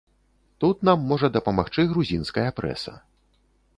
Тут нам можа дапамагчы грузінская прэса.